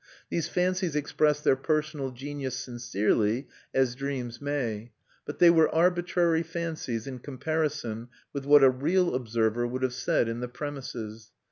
These fancies expressed their personal genius sincerely, as dreams may; but they were arbitrary fancies in comparison with what a real observer would have said in the premises.